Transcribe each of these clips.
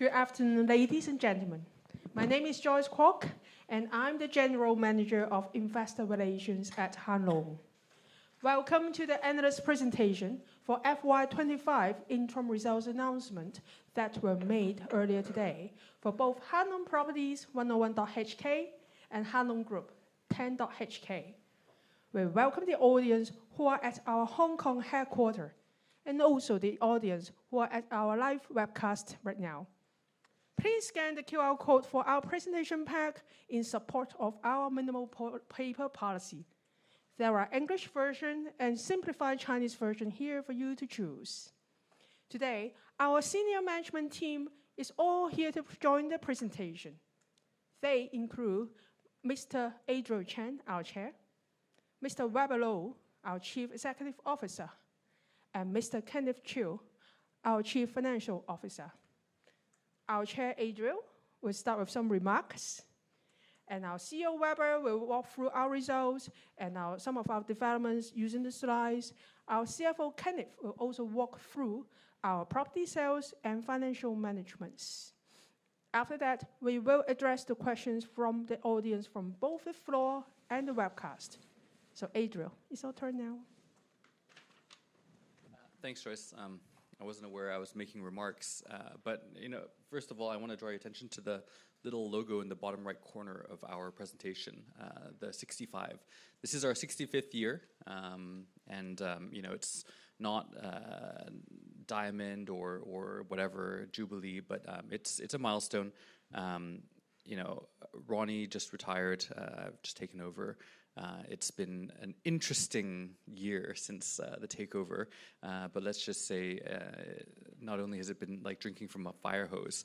Good afternoon, ladies and gentlemen. My name is Joyce Kwok and I'm the General Manager of Investor Relations at Hang Lung. Welcome to the Analyst presentation for FY 2025 interim results announcement that were made earlier today for both Hang Lung Properties 101.HK and Hang Lung Group 10.HK. We welcome the audience who are at our Hong Kong headquarter and also the audience who are at our live webcast right now. Please scan the QR code for our presentation pack in support of our minimal paper policy. There are English version and simplified Chinese version here for you to choose. Today, our senior management team is all here to join the presentation. They include Mr. Adriel Chan, our Chair, Mr. Weber Wai Pak Lo, our Chief Executive Officer, and Mr. Kenneth Ka Kui Chiu, our Chief Financial Officer. Our Chair Adriel will start with some remarks and our CEO Weber will walk through our results and some of our developments using the slides. Our CFO Kenneth will also walk through our property sales and financial management. After that, we will address the questions from the audience from both the floor and the webcast. Adriel, it's our turn now. Thanks, Joyce. I wasn't aware I was making remarks, but first of all, I want to draw your attention to the little logo in the bottom right corner of our presentation, the 65. This is our 65th year, and it's not diamond or whatever jubilee, but it's a milestone. Ronnie just retired, just taken over. It's been an interesting year since the takeover. Let's just say not only has it been like drinking from a fire hose,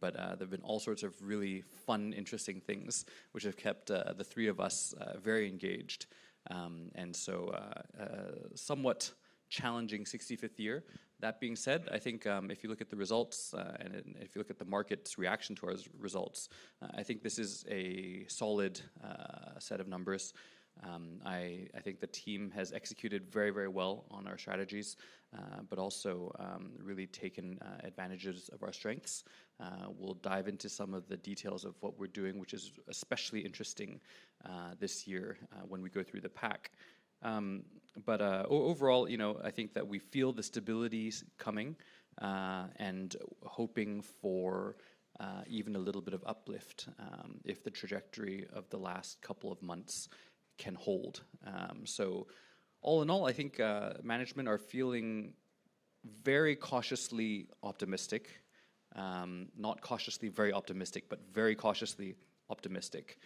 but there have been all sorts of really fun, interesting things which have kept the three of us very engaged and so somewhat challenging 65th year. That being said, I think if you look at the results and if you look at the market's reaction to our results, I think this is a solid set of numbers. I think the team has executed very, very well on our strategies, but also really taken advantage of our strengths. We'll dive into some of the details of what we're doing, which is especially interesting this year when we go through the package. Overall, I think that we feel the stability coming and hoping for even a little bit of uplift if the trajectory of the last couple of months can hold. All in all, I think management are feeling very cautiously optimistic. Not cautiously very optimistic, but very cautiously optimistic.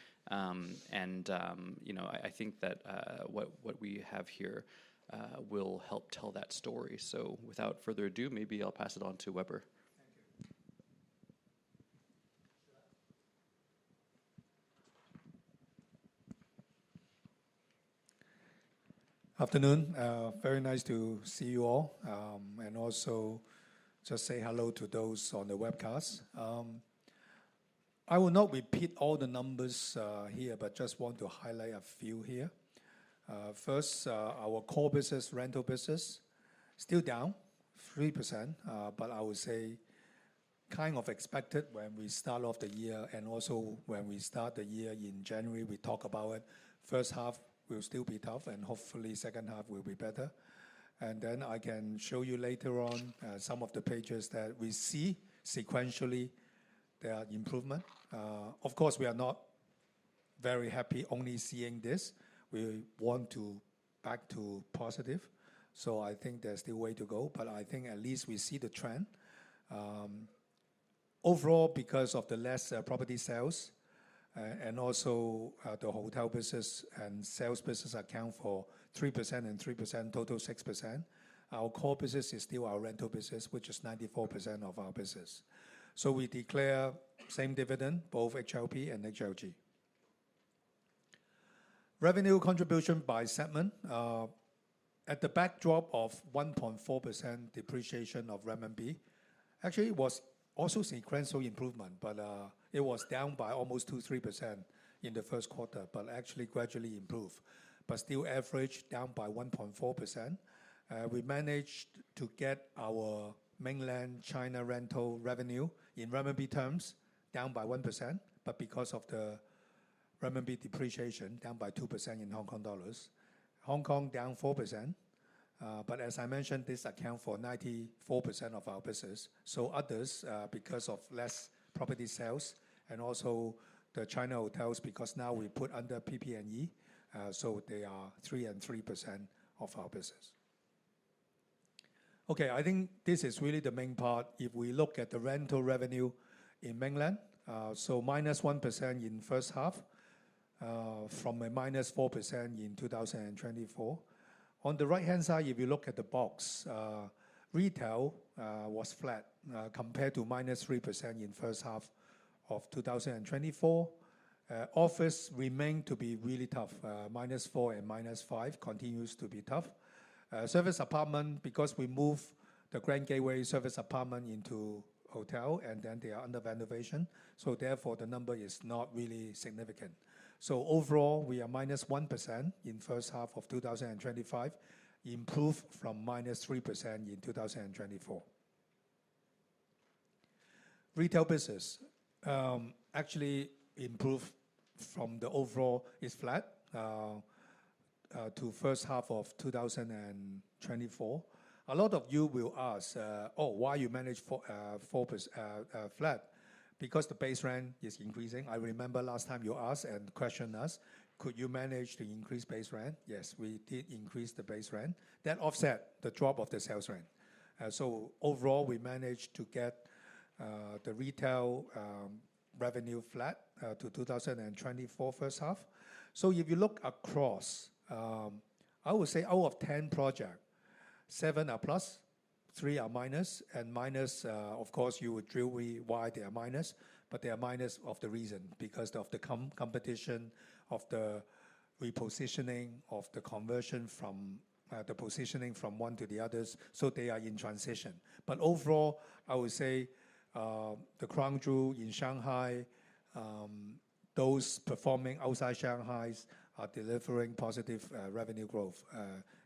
I think that what we have here will help tell that story. Without further ado, maybe I'll pass it on to Weber. Afternoon. Very nice to see you all. Also, just say hello to those on the webcast. I will not repeat all the numbers here, but just want to highlight a few here. First, our core business rental business still down 3%, but I would say kind of expected when we start off the year and also when we start the year in January, we talk about it. First half will still be tough and hopefully second half will be better. I can show you later on some of the pages that we see sequentially the improvement. Of course, we are not very happy only seeing this. We want to back to positive. I think there's still a way to go. I think at least we see the trend overall because of the less property sales and also the hotel business and sales business account for 3% and 3%, total 6%. Our core business is still our rental business which is 94% of our business. We declare same dividend both HLP and HLG. Revenue contribution by segment at the backdrop of 1.4% depreciation of Renminbi actually was also sequential improvement, but it was down by almost 2%-3% in the first quarter but actually gradually improved but still average down by 1.4%. We managed to get our Mainland China rental revenue in Renminbi terms down by 1%. Because of the Renminbi depreciation down by 2% in Hong Kong dollars, Hong Kong down 4%. As I mentioned, this account for 94% of our business. Others because of less property sales and also the China hotels because now we put under PP&E, they are 3% and 3% of our business. I think this is really the main part. If we look at the rental revenue in Mainland, -1% in first half from a -4% in 2024. On the right hand side, if you look at the box, retail was flat compared to -3% in first half of 2024. Office remain to be really tough. -4% and -5% continues to be tough. Service apartment because we move the Grand Gateway service apartment into hotel and then they are under renovation. Therefore the number is not really significant. Overall we are -1% in first half of 2025, improved from -3% in 2024. Retail business actually improved from the overall is flat to first half of 2024. A lot of you will ask, oh, why you manage for flat? Because the base rent is increasing. I remember last time you asked and questioned us could you manage to increase base rent? Yes, we did increase the base rent that offset the drop of the sales rent. Overall we managed to get the retail revenue flat to 2024 first half. If you look across, I would say out of 10 projects, seven are plus, three are minus. Of course, you would drill why they are minus, but they are minus for the reason because of the competition or the repositioning or the conversion from the positioning from one to the others. They are in transition. Overall, I would say the crown jewel in Shanghai, those performing outside Shanghai are delivering positive revenue growth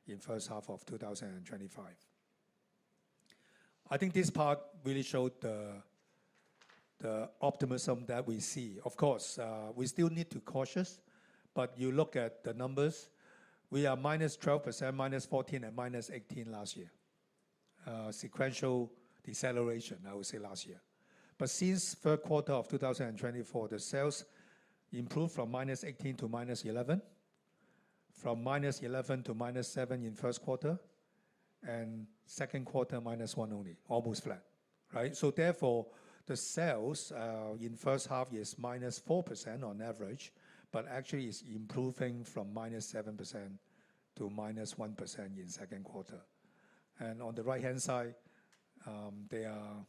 in the first half of 2025. I think this part really showed the optimism that we see. Of course, we still need to be cautious, but if you look at the numbers, we are -12%, -14%, and -18% last year. Sequential deceleration, I would say last year, but since the third quarter of 2024, the sales improved from -18% to -11%, from -11% to -7% in the first quarter, and second quarter -1%, only almost flat. Therefore, the sales in the first half is -4% on average, but actually is improving from -7% to -1% in the second quarter. On the right-hand side, they are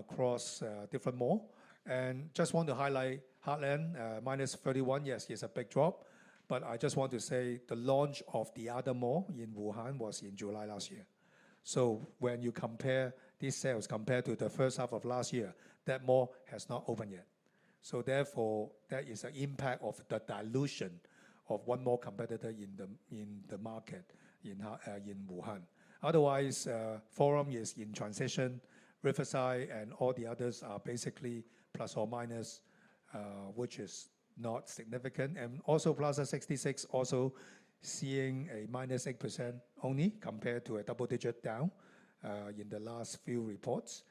across different malls, and just want to highlight Heartland -31%. Yes, it's a big drop, but I just want to say the launch of the other mall in Wuhan was in July last year. When you compare these sales compared to the first half of last year, that mall had not opened yet. Therefore, that is an impact of the dilution of one mall competitor in the market in Wuhan. Otherwise, Forum is in transition. Riverside and all the others are basically plus or minus, which is not significant. Also, Plaza 66 also seeing a -8% only compared to a double-digit down in the last few reports.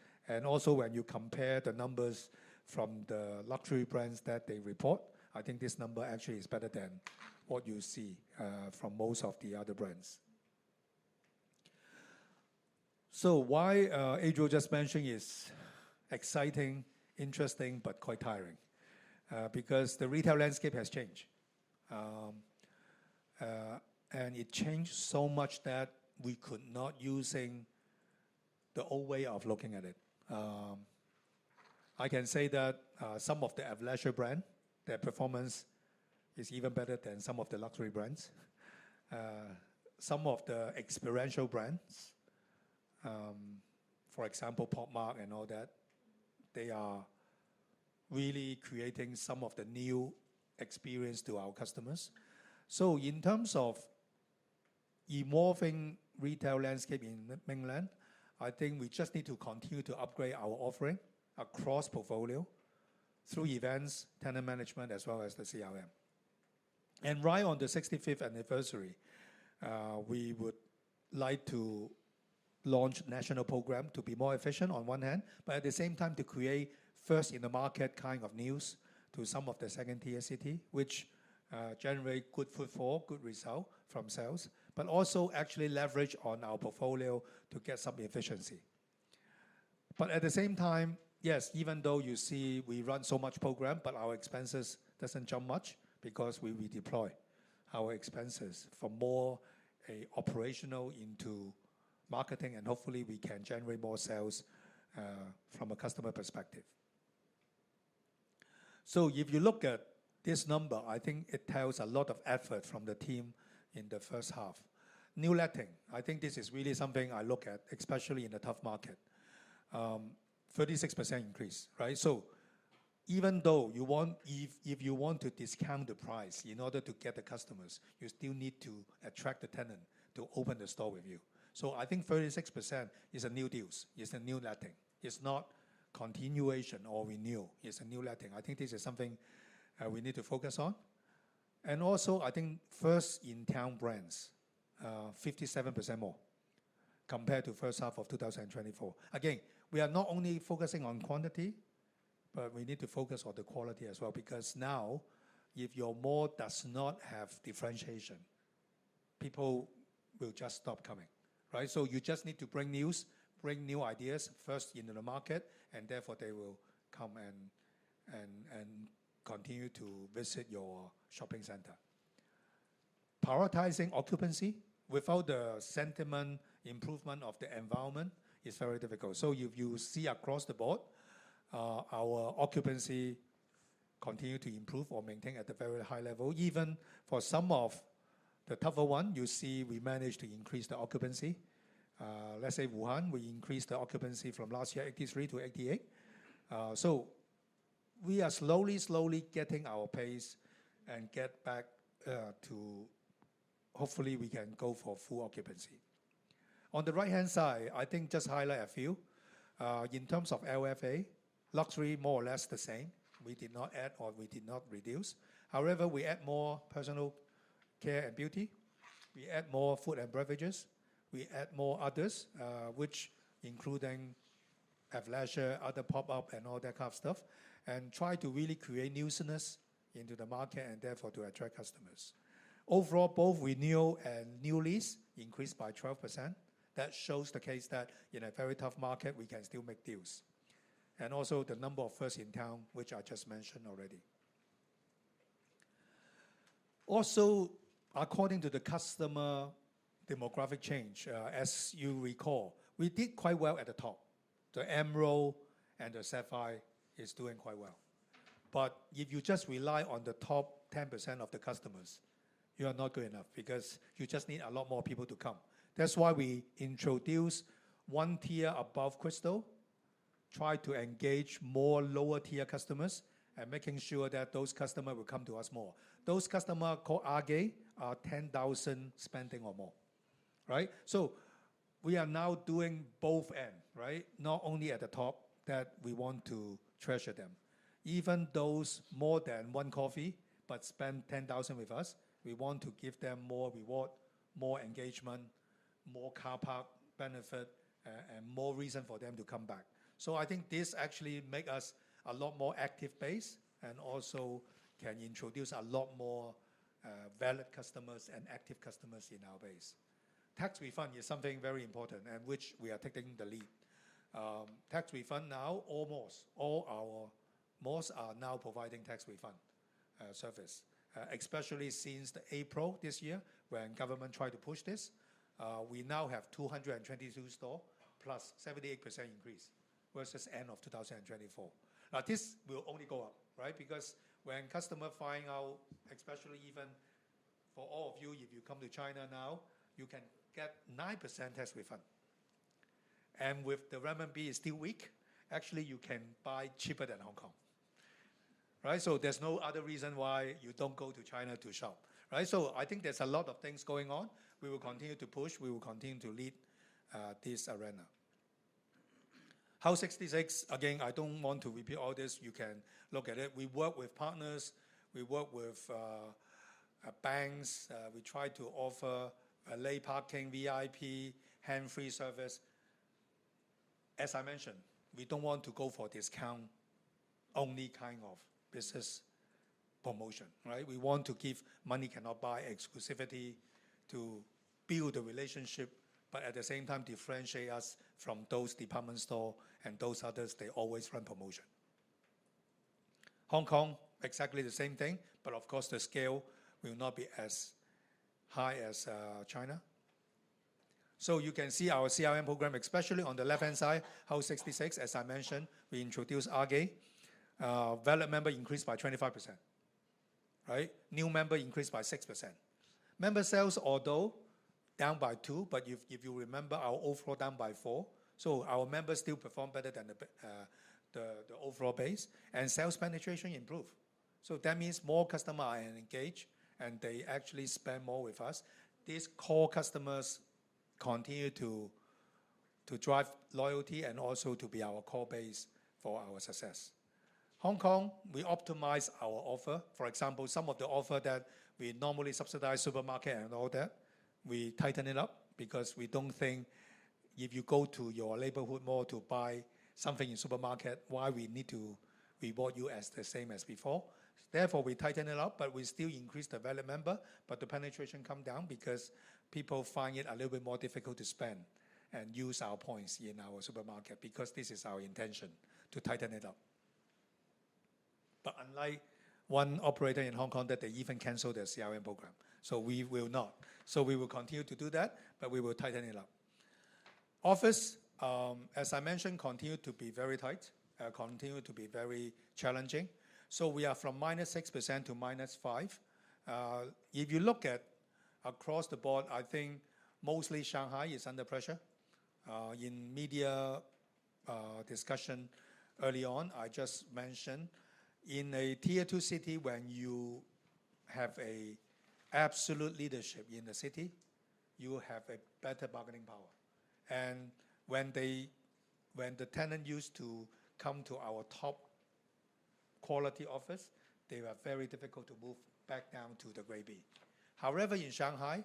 When you compare the numbers from the luxury brands that they report, I think this number actually is better than what you see from most of the other brands. Why Adriel just mentioned is exciting, interesting, but quite tiring because the retail landscape has changed, and it changed so much that we could not use the old way of looking at it. I can say that some of the Athleisure brands, their performance is even better than some of the luxury brands. Some of the experiential brands, for example, Pockmark and all that, they are really creating some of the new experience to our customers. In terms of evolving retail landscape in Mainland China, I think we just need to continue to upgrade our offering across the portfolio through events, tenant management, as well as the CRM. Right on the 65th anniversary we would like to launch national program to be more efficient on one hand, but at the same time to create first in the market kind of news to some of the second-tier cities which generate good footfall, good result from sales, but also actually leverage on our portfolio to get some efficiency. At the same time, yes, even though you see we run so much program, our expenses don't jump much because we redeploy our expenses from more operational into marketing and hopefully we can generate more sales from a customer perspective. If you look at this number, I think it tells a lot of effort from the team in the first half. New letting, I think this is really something I look at especially in a tough market. 36% increase, right? Even though if you want to discount the price in order to get the customers, you still need to attract the tenant to open the store with you. I think 36% is a new deal, it's a new letting. It's not continuation or renewal, it's a new letting. I think this is something we need to focus on. Also, I think First-in-town brands, 57% more compared to first half of 2024. Again, we are not only focusing on quantity, but we need to focus on the quality as well. Because now if your mall does not have differentiation, people will just stop coming. You just need to bring news, bring new ideas first into the market and therefore they will come and continue to visit your shopping center. Prioritizing occupancy without the sentiment, improvement of the environment is very difficult. If you see across the board our occupancy continue to improve or maintain at a very high level. Even for some of the tougher one, you see we managed to increase the occupancy, let's say Wuhan, we increased the occupancy from last year 83%-88%. We are slowly, slowly getting our pace and get back to. Hopefully, we can go for full occupancy. On the right hand side, I think just highlight a few in terms of LFA luxury, more or less the same. We did not add or we did not reduce. However, we add more personal care and beauty, we add more food and beverages, we add more others which including athleisure, other pop up and all that kind of stuff and try to really create newness into the market and therefore to attract customers. Overall, both renewal and new lease increased by 12%. That shows the case that in a very tough market we can still make deals. The number of first-in-town, which I just mentioned already, also according to the customer demographic change, as you recall, we did quite well at the Top, the Emerald and the Sapphire is doing quite well. If you just rely on the top 10% of the customers, you are not good enough because you just need a lot more people to come. That's why we introduce one tier above Crystal, try to engage more lower tier customers and making sure that those customers will come to us more. Those customers called AG are $10,000 spending or more, right? We are now doing both end, right? Not only at the top that we want to treasure them, even those more than one coffee, but spend $10,000 with us. We want to give them more reward, more engagement, more car park benefit, and more reason for them to come back. I think this actually make us a lot more active base and also can introduce a lot more valid customers and active customers in our base. Tax refund is something very important in which we are taking the lead. Tax refund, now almost all our malls are now providing tax refund service, especially since April this year when government tried to push this. We now have 222 stores plus 78% increase versus end of 2024. This will only go up, right? When customer find out, especially even for all of you, if you come to China now, you can get 9% tax refund. With the Renminbi still weak, actually you can buy cheaper than Hong Kong, right? There is no other reason why you don't go to China to shop, right? I think there's a lot of things going on. We will continue to push. We will continue to lead this arena. House 66, again I don't want to repeat all this. You can look at it. We work with partners, we work with banks. We try to offer valet parking, VIP hand free service. As I mentioned, we don't want to go for discount only kind of business promotion, right? We want to give money cannot buy exclusivity to build a relationship. At the same time, differentiate us from those department store and those others. They always run promotion. Hong Kong exactly the same thing. Of course the scale will not be as high as China. You can see our CRM program especially on the left hand side. House 66, as I mentioned, we introduced AG. Valid member increased by 25%, right? New member increased by 6%. Member sales although down by 2%. If you remember our overflow, down by 4%. Our members still perform better than the overall base and sales penetration improve. That means more customers engaged and they actually spend more with us. These core customers continue to drive loyalty and also to be our core base for our success. In Hong Kong, we optimize our offer. For example, some of the offers that we normally subsidize, supermarket and all that, we tighten it up because we don't think if you go to your neighborhood mall to buy something in supermarket, why we need to reward you as the same as before. Therefore, we tighten it up. We still increase the valid member, but the penetration come down because people find it a little bit more difficult to spend and use our points in our supermarket because this is our intention to tighten it up. Unlike one operator in Hong Kong that even canceled their CRM program, we will not. We will continue to do that, but we will tighten it up. Office, as I mentioned, continue to be very tight, continue to be very challenging. We are from -6% to -5% if you look at across the board. I think mostly Shanghai is under pressure in media discussion early on. I just mentioned in a second-tier city, when you have absolute leadership in the city, you have a better bargaining power. When the tenant used to come to our top quality office, they were very difficult to move back down to the grade B. However, in Shanghai,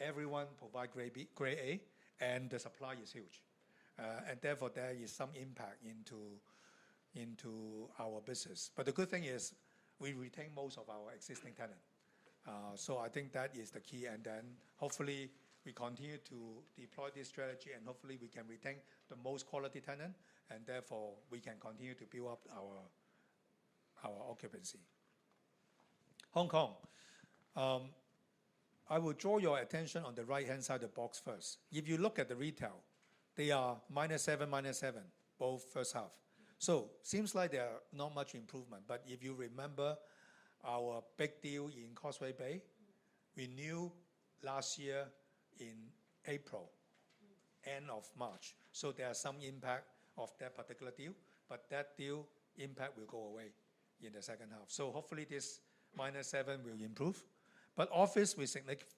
everyone provides grade A and the supply is huge. Therefore, there is some impact into our business. The good thing is we retain most of our existing tenants. I think that is the key. Hopefully, we continue to deploy this strategy and hopefully we can retain the most quality tenants and therefore we can continue to build up our occupancy. In Hong Kong, I will draw your attention on the right-hand side of the box first. If you look at the retail, they are -7%, -7% both first half. Seems like there is not much improvement. If you remember our big deal in Causeway Bay we knew last year in April, end of March, there is some impact of that particular deal. That deal impact will go away in the second half. Hopefully, this -7% will improve. Office with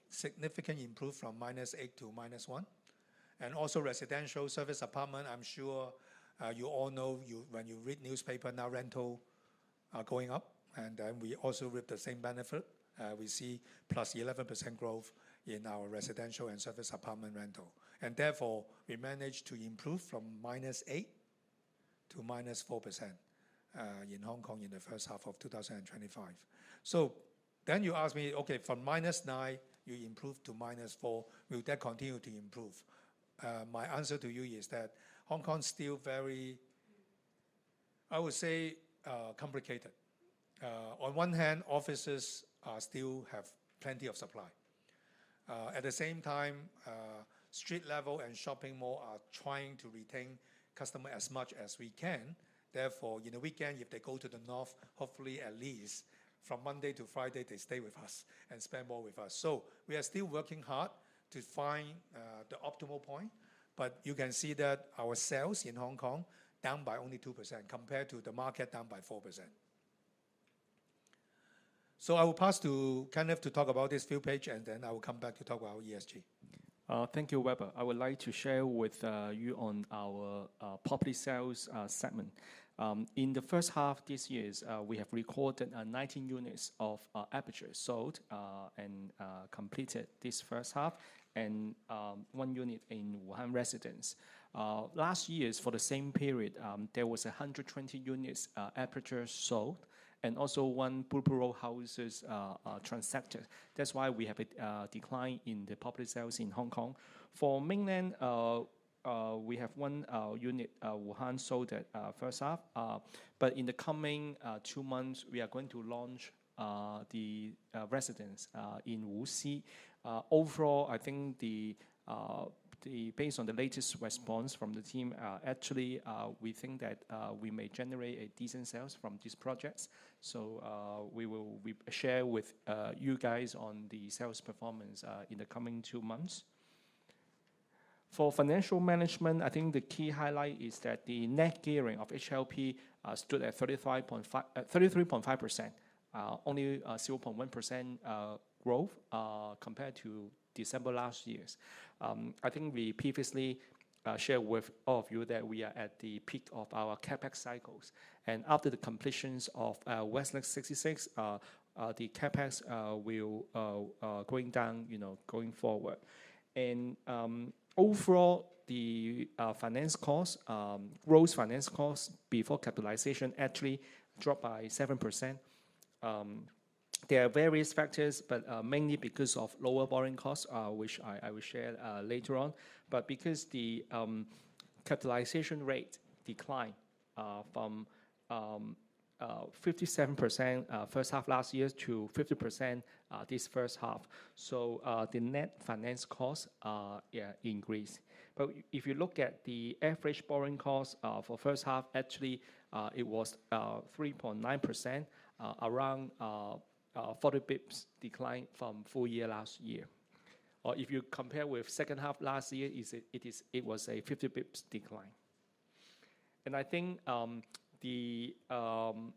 significant improve from -8% to -1% and also residential, service apartment. I'm sure you all know when you read newspaper now rental are going up and we also reap the same benefit. We see +11% growth in our residential and service apartment rental, and therefore we managed to improve from -8% to -4% in Hong Kong in the first half of 2025. You asked me, okay, from -9%, you improved to -4%. Will that continue to improve? My answer to you is that Hong Kong is still very, I would say, complicated. On one hand, offices still have plenty of supply. At the same time, street level and shopping mall are trying to retain customers as much as we can. Therefore, in the weekend if they go to the north, hopefully at least from Monday to Friday they stay with us and spend more with us. We are still working hard to find the optimal point. You can see that our sales in Hong Kong are down by only 2% compared to the market down by 4%. I will pass to Kenneth to talk about this viewpage, and then I will come back to talk about ESG. Thank you, Weber. I would like to share with you on our property sales segment. In the first half this year, we have recorded 19 units of Aperture sold and completed this first half and one unit in Wuhan Residence. Last year for the same period, there were 120 units of Aperture sold and also one Purple Row house transacted. That's why we have a decline in the property sales in Hong Kong. For Mainland, we have one unit in Wuhan sold in the first half, but in the coming two months, we are going to launch the Residence in Wuxi. Overall, I think based on the latest response from the team, actually we think that we may generate a decent sales from these projects. We will share with you guys on the sales performance in the coming two months. For financial management, I think the key highlight is that the net gearing of HLP stood at 33.5%, only 0.1% growth compared to December last year. I think we previously shared with all of you that we are at the peak of our CapEx cycles, and after the completion of Westlake 66, the CapEx will go down going forward. Overall, the finance cost, gross finance cost before capitalization, actually dropped by 7%. There are various factors, but mainly because of lower borrowing costs, which I will share later on, but because the capitalization rate declined from 57% first half last year to 50% this first half. The net finance cost increased, but if you look at the average borrowing cost for first half, actually it was 3.9%, around 40 basis points decline from full year last year. If you compare with second half last year, it was a 50 basis points decline. I think the $10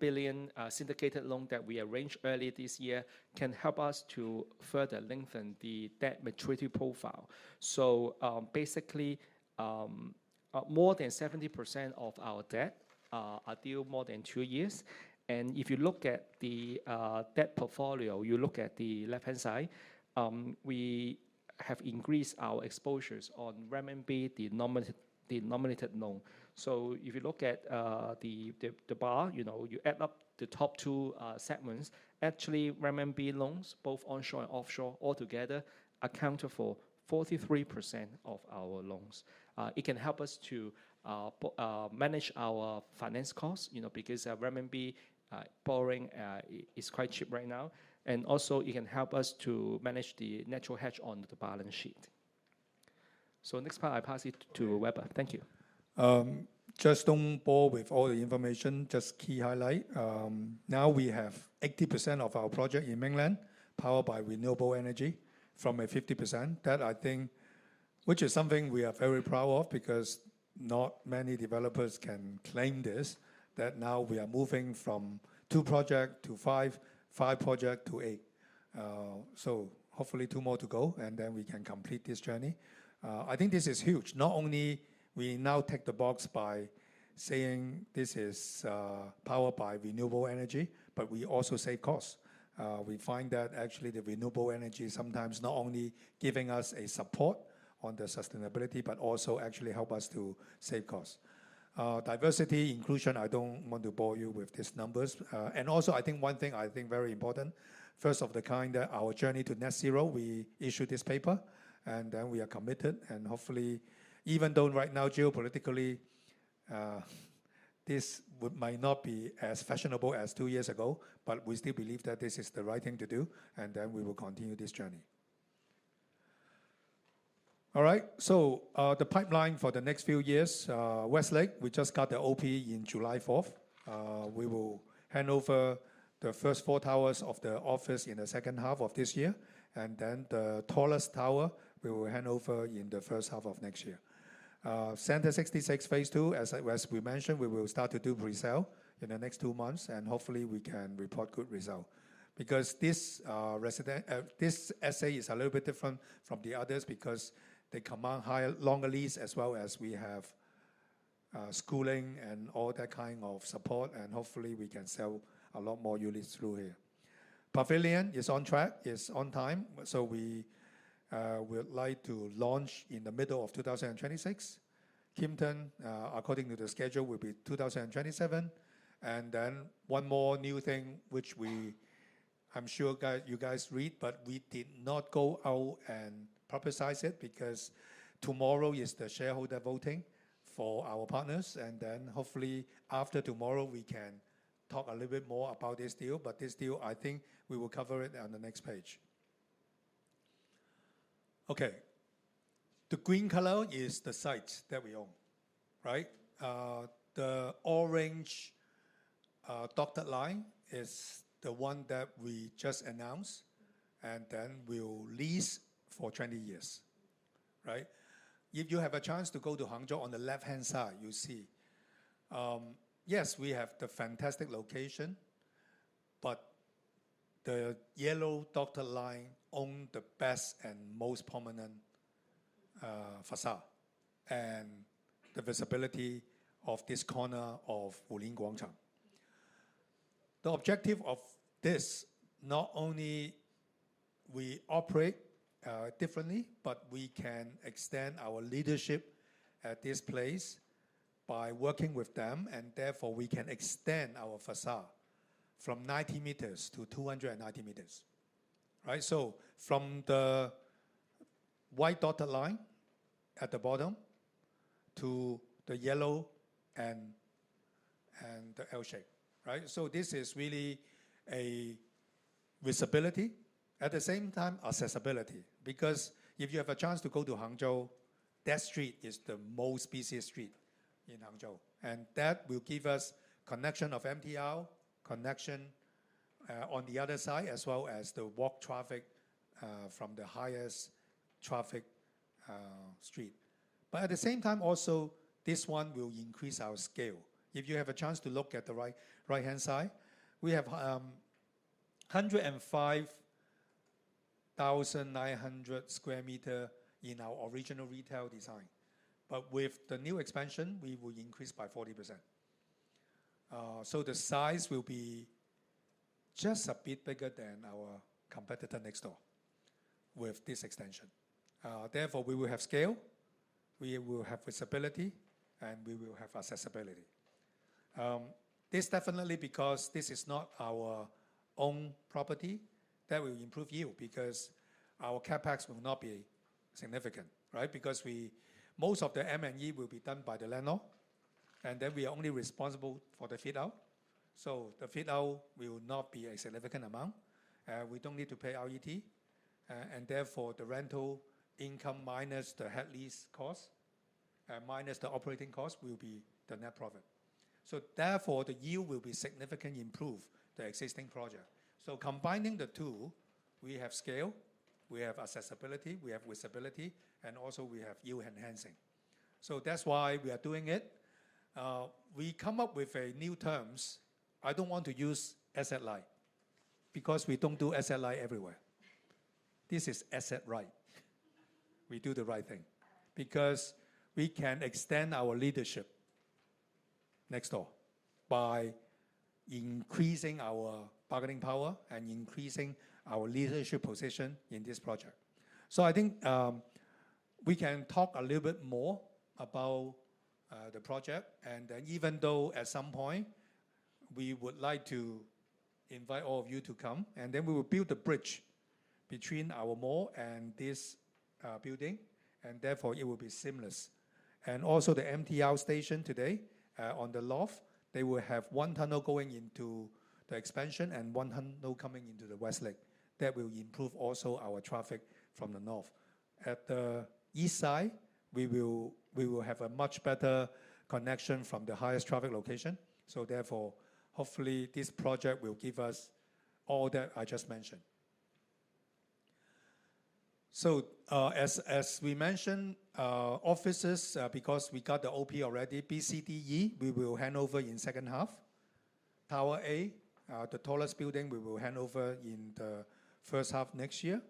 billion syndicated loan that we arranged earlier this year can help us to further lengthen the debt maturity profile. Basically, more than 70% of our debt are due more than two years. If you look at the debt portfolio, you look at the left-hand side, we have increased our exposures on Renminbi-denominated loan. If you look at the bar, you add up the top two segments, actually Renminbi loans, both onshore and offshore, altogether accounted for 43% of our loans. It can help us to manage our finance costs, because Renminbi borrowing is quite cheap right now. It also can help us to manage the natural hedge on the balance sheet. Next part, I pass it to Weber. Thank you. Just don't bore with all the information, just key highlight. Now we have 80% of our project in Mainland China powered by renewable energy from a 50% that I think which is something we are very proud of because not many developers can claim this, that, that now we are moving from two project to five, five project to eight. Hopefully two more to go and then we can complete this journey. I think this is huge. Not only we now tick the box by saying this is powered by renewable energy, but we also save cost. We find that actually the renewable energy sometimes not only giving us a support on the sustainability but also actually help us to save costs. Diversity, inclusion. I don't want to bore you with these numbers and also I think one thing I think very important first of the kind that our journey to net zero we issued this paper and then we are committed and hopefully even though right now geopolitically this might not be as fashionable as two years ago, we still believe that this is the right thing to do and then we will continue this journey. All right, the pipeline for the next few years, Westlake, we just got the op on July 4th. We will hand over the first four towers of the office in the second half of this year and then the tallest tower we will hand over in the first half of next year. Center 66 Phase II as we mentioned we will start to do pre sale in the next two months and hopefully we can report good results because this essay is a little bit different from the others because they come on longer lease as well as we have schooling and all that kind of support. Hopefully we can sell a lot more units through here. Pavilion is on track, is on time. We would like to launch in the middle of 2026. Kimpton according to the schedule will be 2027. One more new thing which we I'm sure you guys read but we did not go out and publicize it because tomorrow is the shareholder voting for our partners. Hopefully after tomorrow we can talk a little bit more about this deal. This deal, I think we will cover it on the next page. The green color is the site that we own, right? The orange dotted line is the one that we just announced. We will lease for 20 years right. If you have a chance to go to Hangzhou on the left hand side, you see yes, we have the fantastic location but the yellow dotted line own the best and most prominent and the visibility of this corner of Wuling Guangzhou. The objective of this, not only we operate differently, but we can extend our leadership at this place by working with them, and therefore we can extend our facade from 90 m-290 m, so from the white dotted line at the bottom to the yellow and the L shape. This is really a visibility, at the same time accessibility. If you have a chance to go to Hangzhou, that street is the busiest street in Hangzhou, and that will give us connection of MTL connection on the other side as well as the walk traffic from the highest traffic street. At the same time, also this one will increase our scale. If you have a chance to look at the right hand side, we have 105,900 sq m in our original retail design, but with the new expansion we will increase by 40%, so the size will be just a bit bigger than our competitor next door. With this extension, therefore, we will have scale, we will have visibility, and we will have accessibility. This definitely, because this is not our own property, that will improve yield because our CapEx will not be significant, right? Most of the M and E will be done by the landlord, and then we are only responsible for the fit out, so the fit out will not be a significant amount. We don't need to pay rent, and therefore the rental income minus the head lease cost minus the operating cost will be the net profit, so therefore the yield will be significantly improved for the existing project. Combining the two, we have scale, we have accessibility, we have visibility, and also we have yield enhancing. That's why we are doing it, we come up with new terms. I don't want to use asset light because we don't do asset light everywhere. This is asset-right. We do the right thing because we can extend our leadership next door by increasing our and increasing our leadership position in this project. I think we can talk a little bit more about the project, and then even though at some point we would like to invite all of you to come, we will build a bridge between our mall and this building, and therefore it will be seamless. Also, the MTL station today on the north, they will have one tunnel going into the expansion and one tunnel coming into the Westlake that will improve also our traffic from the north. At the east side, we will have a much better connection from the highest traffic location. Therefore, hopefully this project will give us all that I just mentioned. As we mentioned, offices, because we got the OP already, BCDE we will hand over in the second half. Tower A, the tallest building, we will hand over in the first half next year.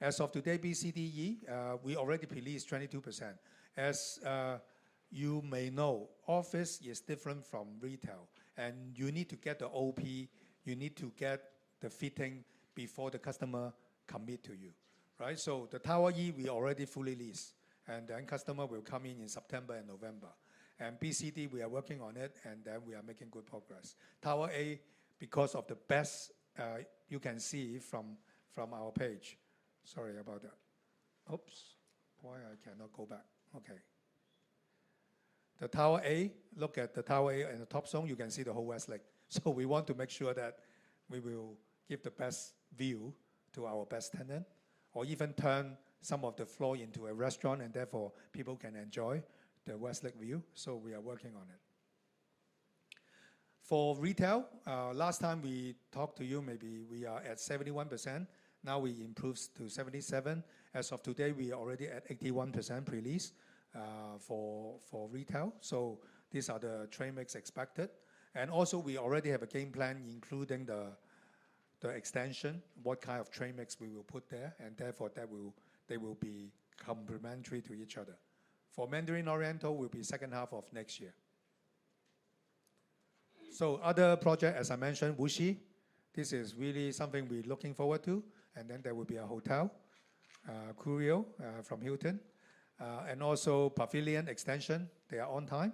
As of today, BCDE we already released 22%. As you may know, office is different from retail, and you need to get the OP, you need to get the fitting before the customer commits to you, right? Tower Yi we already fully leased, and the end customer will come in in September and November. BCDE we are working on it, and we are making good progress. Tower A, because of the best, you can see from our page. Sorry about that. Oops. Why I cannot go back. Okay, the Tower A, look at the Tower A and the top zone. You can see the whole Westlake. We want to make sure that we will give the best view to our best tenant or even turn some of the floor into a restaurant. Therefore, people can enjoy the Westlake view. We are working on it. For retail, last time we talked to you, maybe we were at 71%. Now we improved to 77%. As of today, we are already at 81% pre-lease for retail. These are the tenant mix expected. We already have a game plan, including the extension, what kind of tenant mix we will put there. Therefore, they will be complementary to each other. For Mandarin Oriental, it will be second half of next year. Other project, as I mentioned, Wuxi, this is really something we're looking forward to. There will be a hotel, Curio from Hilton, and also Pavilion extension. They are on time.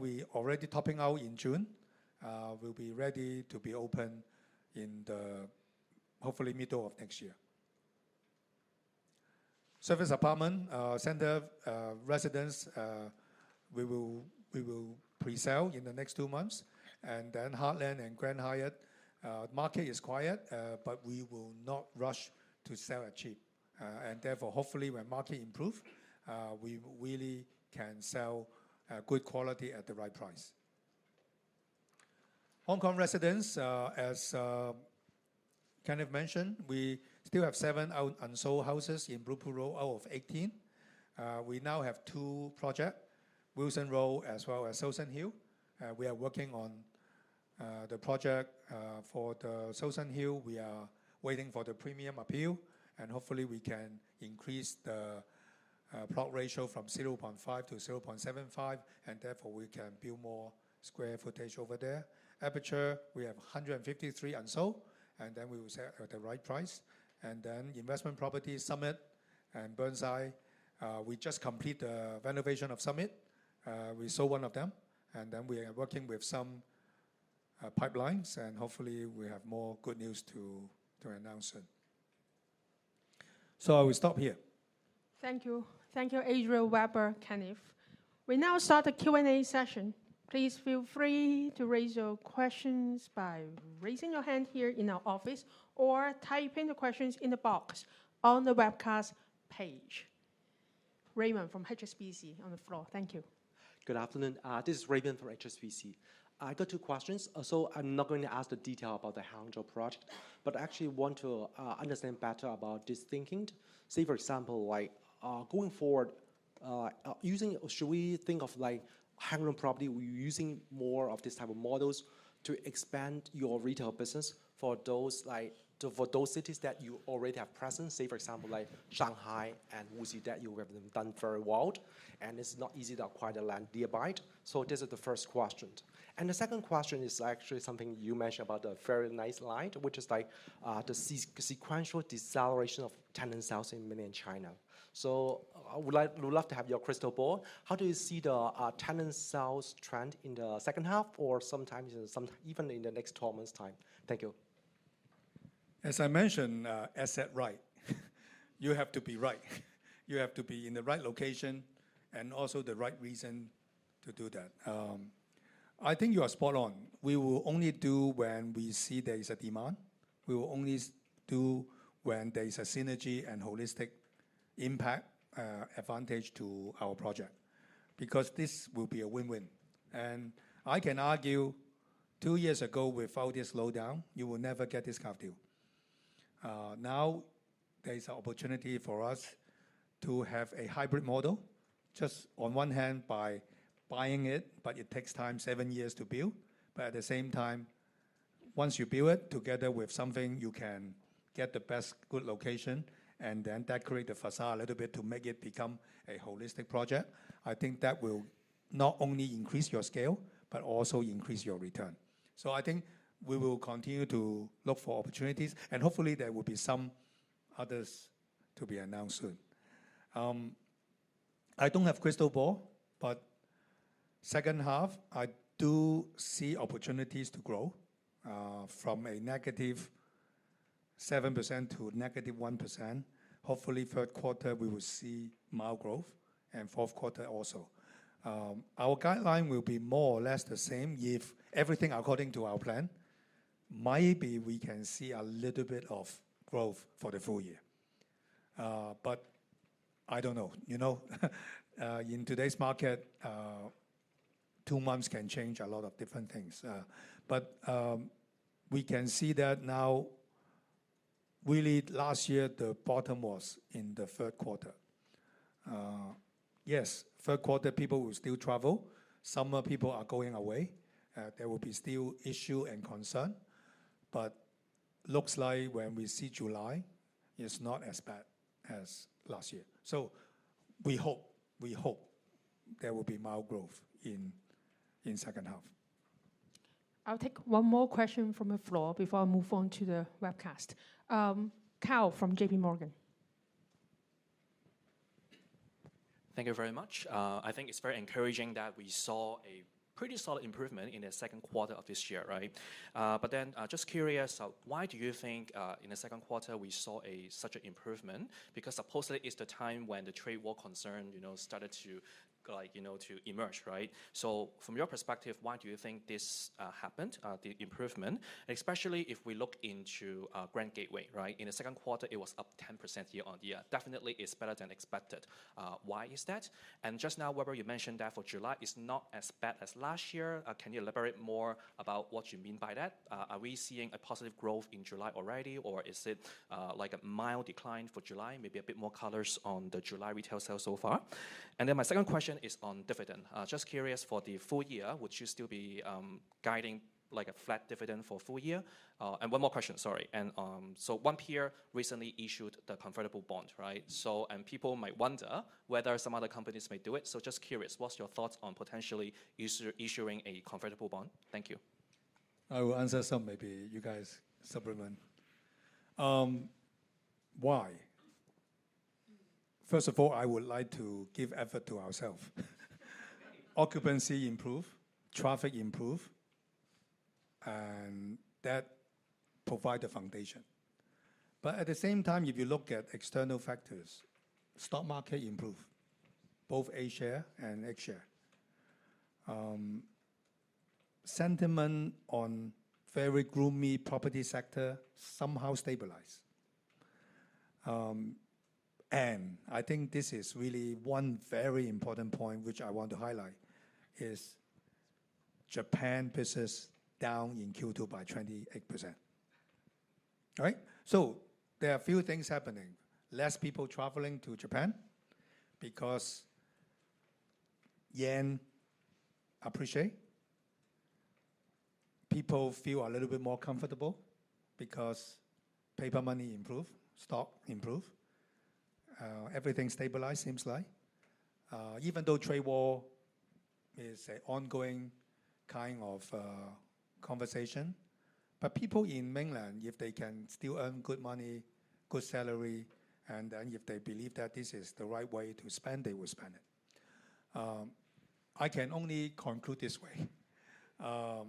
We already topping out in June, will be ready to be open in the hopefully middle of next year. Service apartment, center, residence, we will pre-sell in the next two months. Heartland and Grand Hyatt, market is quiet. We will not rush to sell at cheap. Hopefully, when market improves, we really can sell good quality at the right price. Hong Kong residents, as Kenneth Ka Kui Chiu mentioned, we still have seven unsold houses in Bloopur Road out of 18. We now have two projects, Wilson Road as well as Salsa Hill. We are working on the project for the Salsa Hill. We are waiting for the premium appeal. Hopefully, we can increase the plot ratio from 0.5-0.75. Therefore, we can build more square footage over there. Aperture, we have 153 unsold. We will sell at the right price. Investment properties, Summit and Burnside, we just completed the renovation of Summit. We sold one of them and we are working with some pipelines and hopefully we have more good news to announce. I will stop here. Thank you. Thank you. Adriel, Weber, Kenneth, we now start the Q&A session. Please feel free to raise your questions by raising your hand here in our office or type in the questions in the box on the webcast page. Raymond from HSBC on the floor. Thank you. Good afternoon, this is Raven from HSBC. I got two questions. I'm not going to ask the detail about the Hangzhou project but actually want to understand better about this thinking. For example, going forward, should we think of Hang Lung Properties using more of this type of models to expand your retail business for those cities that you already have presence, for example, like Shanghai and Wuxi, that you have done very well and it's not easy to acquire the land nearby. This is the first question. The second question is actually something you mentioned about the very nice slide, which is the sequential deceleration of tenant sales in Mainland China. We'd love to have your crystal ball. How do you see the tenant sales trend in the second half or sometimes even in the next 12 months? Thank you. As I mentioned, asset-right, you have to be right. You have to be in the right location and also the right reason to do that. I think you are spot on. We will only do when we see there is a demand. We will only do when there is a synergy and holistic impact advantage to our project. This will be a win-win. I can argue two years ago without this slowdown, you would never get this kind of deal. Now there's an opportunity for us to have a hybrid model just on one hand by buying it. It takes time, seven years to build. At the same time, once you build it together with something, you can get the best good location and then decorate the facade a little bit to make it become a holistic project. I think that will not only increase your scale but also increase your return. I think we will continue to look for opportunities and hopefully there will be some others to be announced soon. I don't have a crystal ball, but second half I do see opportunities to grow from a -7% to -1%. Hopefully third quarter we will see mild growth and fourth quarter also our guideline will be more or less the same. If everything according to our plan, maybe we can see a little bit of growth for the full year. I don't know, you know, in today's market, two months can change a lot of different things. We can see that now really. Last year the bottom was in the third quarter. Yes, third quarter people will still travel. Summer people are going away, there will be still issue and concern. Looks like when we see July, it's not as bad as last year. We hope, we hope there will be mild growth in second half. I'll take one more question from the floor before I move on to the webcast. Karl from JPMorgan. Thank you very much. I think it's very encouraging that we saw a pretty solid improvement in the second quarter of this year. Right. I'm just curious, why do you think in the second quarter we saw such an improvement? Because supposedly it's the time when the trade war concern started to emerge, right? From your perspective, why do you think this happened? The improvement, especially if we look into Grand Gateway, right, in the second quarter it was up 10% year-on-year. Definitely it's better than expected. Why is that? Just now, Weber, you mentioned that for July it is not as bad as last year. Can you elaborate more about what you mean by that? Are we seeing a positive growth in July already or is it like a mild decline for July? Maybe a bit more color on the July retail sales so far. My second question is on dividend. Just curious, for the full year, would you still be guiding like a flat dividend for full year? One more question, sorry. One peer recently issued the convertible bond, right. So people might wonder whether some other companies may do it. Just curious, what's your thoughts on potentially issuing a convertible bond? Thank you. I will answer some. Maybe you guys supplement. First of all, I would like to give effort to ourselves. Occupancy improve, traffic improve, and that provide the foundation. At the same time, if you look at external factors, stock market improve, both A share and H share sentiment on very gloomy property sector somehow stabilized. I think this is really one very important point which I want to highlight. Is Japan business down in Q2 by 28%. There are a few things happening. Less people traveling to Japan because yen appreciate. People feel a little bit more comfortable because paper money improve, stock improve, everything stabilized. Seems like even though trade war is ongoing kind of conversation, people in Mainland China, if they can still earn good money, good salary, and then if they believe that this is the right way to spend, they will spend it. I can only conclude this way. I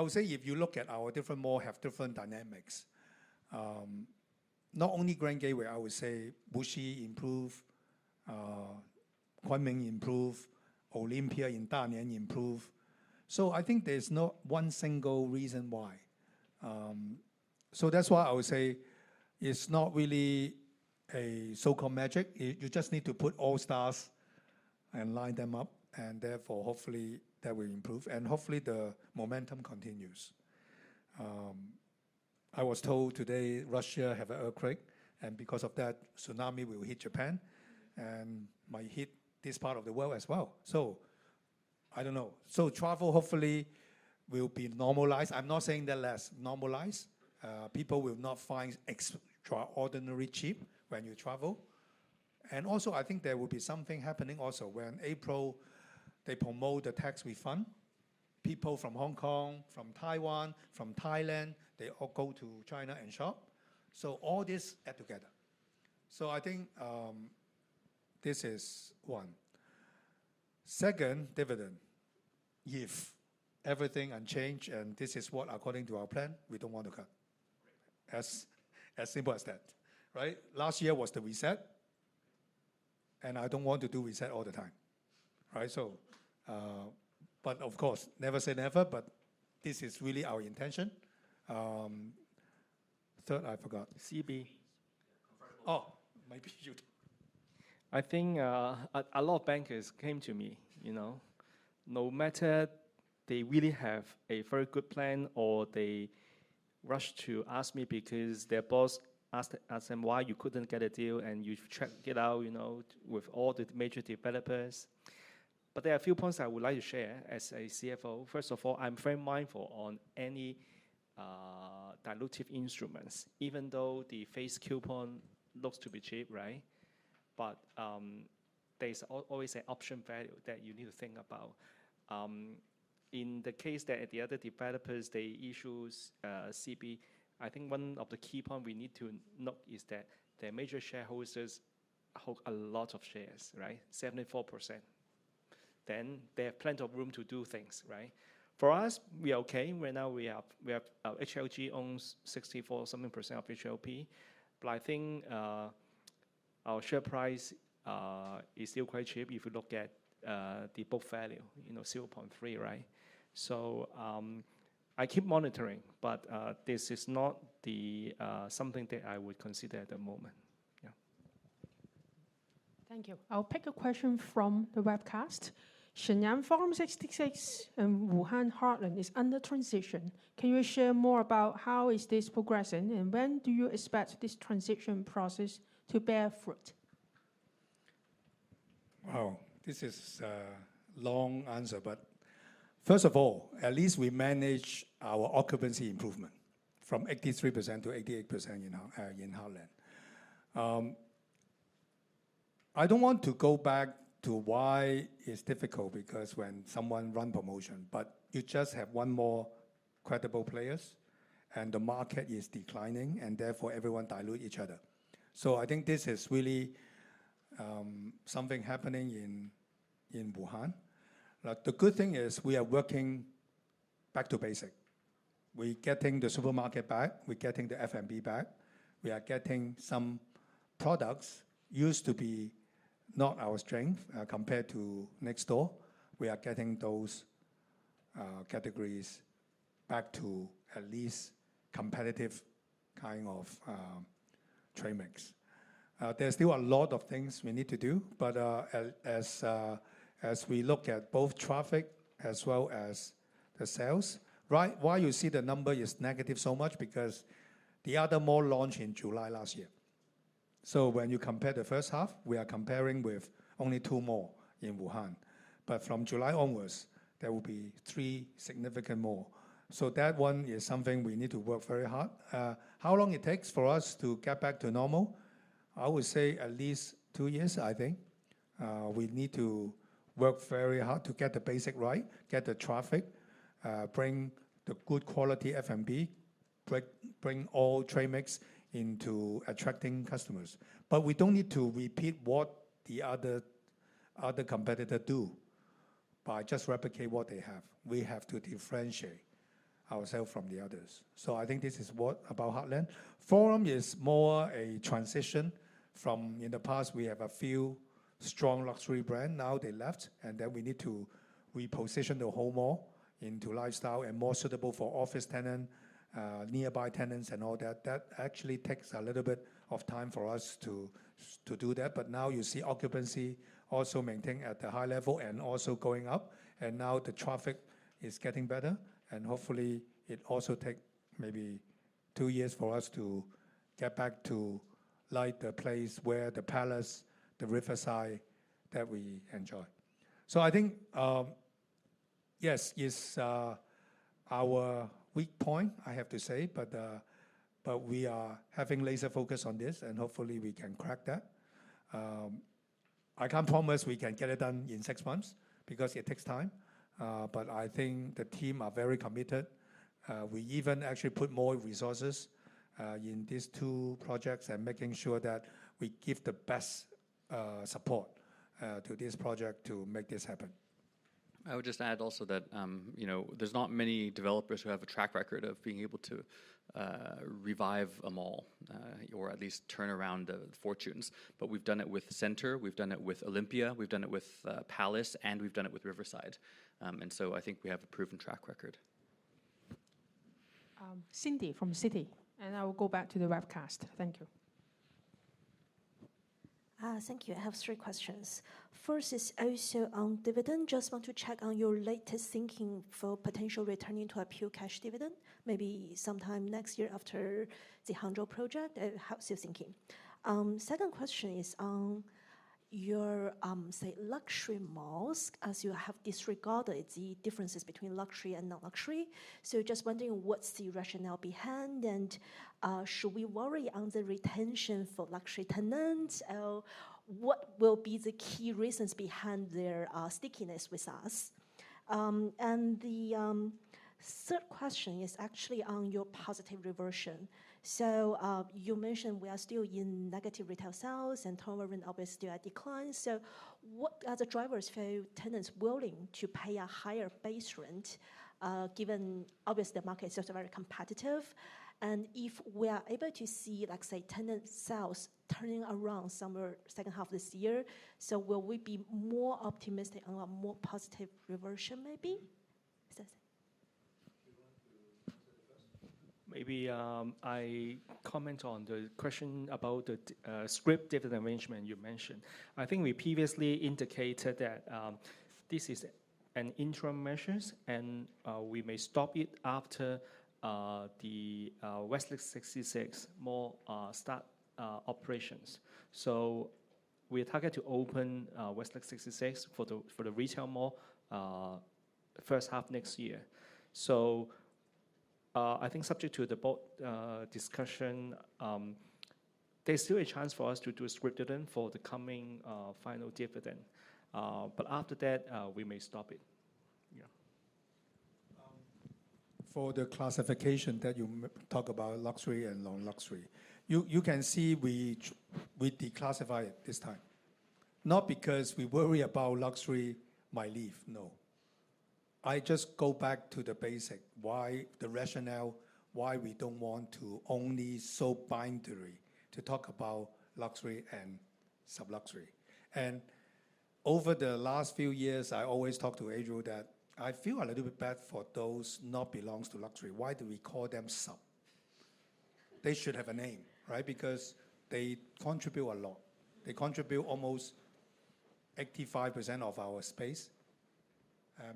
would say if you look at our different mall have different dynamics. Not only Grand Gateway, I would say Bushi improved, Kunming improved, Olympia in Dalian improved, so I think there's not one single reason why. That's why I would say it's not really a so-called magic. You just need to put all stars and line them up and therefore hopefully that will improve and hopefully the momentum continues. I was told today Russia have an earthquake and because of that tsunami will hit Japan and might hit this part of the world as well. I don't know, so travel hopefully will be normalized. I'm not saying that less normalized people will not find extraordinary cheap when you travel and also I think there will be something happening also when April they promote the tax refund, people from Hong Kong, from Taiwan, from Thailand, they all go to China and shop, so all this add together. I think this is one second dividend if everything unchanged and this is what according to our plan we don't want to cut as simple as that. Last year was the reset and I don't want to do reset all the time. Of course, never say never, but this is really our intention. Third, I forgot CB, oh maybe you. I think a lot of bankers came to me, you know, no matter they really have a very good plan or they rush to ask me because their boss asked them why you couldn't get a deal and you get out, you know, with all the major developers. There are a few points I would like to share as a CFO. First of all, I'm very mindful on any dilutive instruments even though the face coupon looks to be cheap. Right. There's always an option value that you need to think about in the case that the other developers, they issue convertible bonds. I think one of the key points we need to note is that their major shareholders hold a lot of shares, right? 74%. They have plenty of room to do things right. For us, we are okay right now. Hang Lung Group owns 64% something of Hang Lung Properties, but I think our share price is still quite cheap. If you look at the book value, 0.3, right. I keep monitoring, but this is not something that I would consider at the moment. Thank you. I'll pick a question from the webcast. Shenyang Forum 66 and Wuhan Heartland are under transition. Can you share more about how this is progressing and when do you expect this transition process to bear fruit? Wow, this is a long answer. First of all, at least we manage our occupancy improvement from 83%88% in Heartland. I don't want to go back to why it's difficult because when someone runs a promotion but you just have one more credible player and the market is declining, therefore everyone dilutes each other. I think this is really something happening in Wuhan. The good thing is we are working back to basics. We're getting the supermarket back, we're getting the F&B back, we are getting some products that used to be not our strength compared to next door. We are getting those categories back to at least a competitive kind of trade mix. There's still a lot of things we need to do, but as we look at both traffic as well as the sales, why do you see the number is negative so much? Because the other mall launched in July last year. When you compare the first half, we are comparing with only two malls in Wuhan, but from July onwards there will be three significant malls. That is something we need to work very hard on. How long does it take for us to get back to normal? I would say at least two years. I think we need to work very hard to get the basics right, get the traffic, bring the good quality F&B, bring all trade mix into attracting customers. We don't need to repeat what the other competitor does by just replicating what they have. We have to differentiate ourselves from the others. I think this is what Heartland Forum is about, more a transition from in the past. We had a few strong luxury brands, now they left and then we need to reposition the whole mall into lifestyle and more suitable for office tenants, nearby tenants and all that. That actually takes a little bit of time for us to do that. Now you see occupancy also maintained at the high level and also going up and now the traffic is getting better and hopefully it also takes maybe two years for us to get back to the place where the Palace, the Riverside that we enjoy. I think yes, it's our weak point, I have to say. We are having laser focus on this and hopefully we can crack that. I can't promise we can get it done in six months because it takes time. I think the team are very committed. We even actually put more resources in these two projects and making sure that we give the best support to this project to make this happen. I would just add also that there's not many developers who have a track record of being able to revive a mall or at least turn around fortunes. We've done it with Center, we've done it with Olympia, we've done it with Palace, and we've done it with Riverside, so I think we have a proven track record. Cindy from Citi, and I will go back to the webcast. Thank you. Thank you. I have three questions. First is also on dividend. Just want to check on your latest thinking for potential returning to a pure cash dividend, maybe sometime next year after the Hangzhou project. How's your thinking? Second question is on your, say, luxury malls, as you have disregarded the differences between luxury and non-luxury. Just wondering what's the rationale behind, and should we worry on the retention for luxury tenants? What will be the key reasons behind their stickiness with us? The third question is actually on your positive reversion. You mentioned we are still in negative retail sales, and turnover rent obviously at decline. What other drivers for tenants willing to pay a higher base rent, given obviously the market is just very competitive? If we are able to see, like, tenant sales turning around somewhere second half this year, will we be more optimistic on a more positive reversion, maybe? Maybe I comment on the question about the scrip data management you mentioned. I think we previously indicated that this is an interim measure and we may stop it after Westlake 66 starts operations. We target to open Westlake 66 for the retail mall in the first half of next year. Subject to the board discussion, there's still a chance for us to do a scrip for the coming final dividend. After that, we may stop it. Yeah. For the classification that you talk about, luxury and non-luxury, you can see we declassify it this time not because we worry about luxury. I just go back to the basic, the rationale why we don't want to only so binary to talk about luxury and sub-luxury. Over the last few years, I always talk to Adriel that I feel a little bit bad for those not belonging to luxury. Why do we call them sub? They should have a name, right? Because they contribute a lot. They contribute almost 85% of our space,